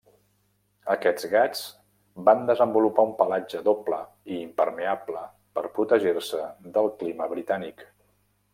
Aquests gats van desenvolupar un pelatge doble i impermeable per protegir-se del clima britànic.